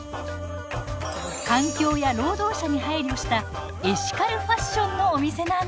環境や労働者に配慮したエシカルファッションのお店なんです。